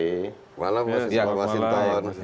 selamat malam pak masinton